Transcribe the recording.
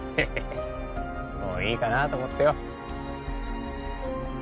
もういいかなと思ってよ